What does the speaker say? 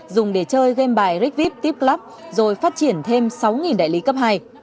dùng để chơi game bài ric vip tip club rồi phát triển thêm sáu đại lý cấp hai